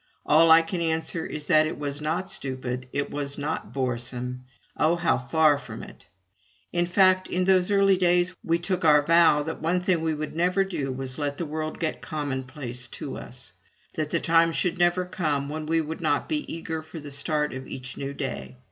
All I can answer is that it was not stupid, it was not boresome oh, how far from it! In fact, in those early days we took our vow that the one thing we would never do was to let the world get commonplace for us; that the time should never come when we would not be eager for the start of each new day.